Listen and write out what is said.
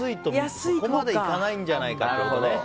そこまでいかないんじゃないかってことね。